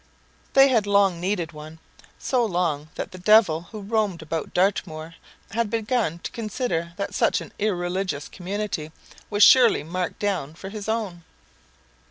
They had long needed one; so long that the Devil, who roamed about Dartmoor, had begun to consider that such an irreligious community was surely marked down for his own.